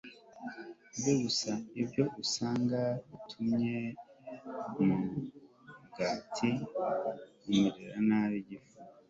ibyo ugasanga bitumye wa mugati umerera nabi igifu